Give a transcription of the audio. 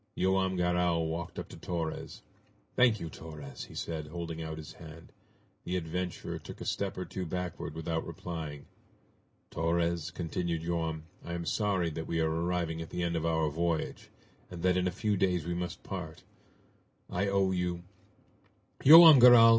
Joam Garral walked up to Torres. "Thank you, Torres!" he said, holding out his hand. The adventurer took a step or two backward without replying. "Torres," continued Joam, "I am sorry that we are arriving at the end of our voyage, and that in a few days we must part! I owe you " "Joam Garral!"